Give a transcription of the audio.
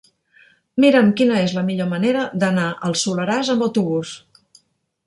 Mira'm quina és la millor manera d'anar al Soleràs amb autobús.